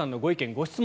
・ご質問